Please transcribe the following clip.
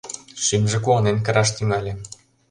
Шӱмжӧ куанен кыраш тӱҥале.